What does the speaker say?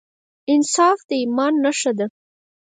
انصاف د ایمان نښه ده.